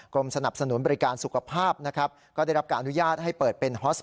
กรมสนับสนุนบริการสุขภาพนะครับก็ได้รับการอนุญาตให้เปิดเป็นฮอส